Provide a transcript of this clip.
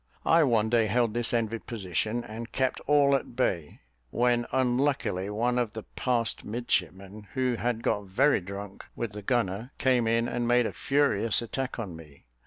I one day held this envied position, and kept all at bay, when, unluckily, one of the passed midshipmen, who had got very drunk with the gunner, came in and made a furious attack on me.